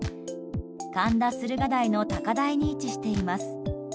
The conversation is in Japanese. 神田駿河台の高台に位置しています。